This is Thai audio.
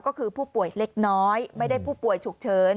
ก็คือผู้ป่วยเล็กน้อยไม่ได้ผู้ป่วยฉุกเฉิน